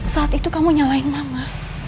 saat itu kamu nyalahin mama